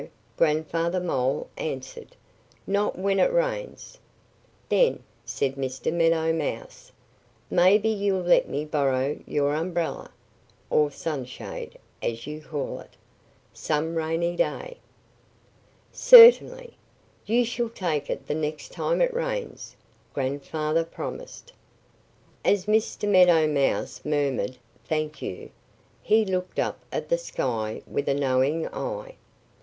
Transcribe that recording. Grandfather Mole answered. "Not when it rains!" "Then," said Mr. Meadow Mouse, "maybe you'll let me borrow your umbrella (or sunshade, as you call it) some rainy day." "Certainly! You shall take it the next time it rains!" Grandfather promised. As Mr. Meadow Mouse murmured, "Thank you!" he looked up at the sky with a knowing eye.